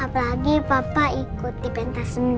apalagi papa ikut di pentas seni